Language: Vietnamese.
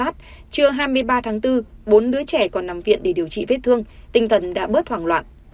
trưa hai mươi ba tháng bốn bốn đứa trẻ còn nằm viện để điều trị vết thương tinh thần đã bớt hoảng loạn